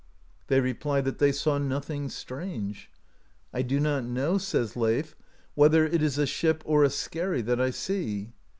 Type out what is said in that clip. They replied that they saw nothing strange. "I do not know," says Leif, "whether it is a ship or a skerry that I see."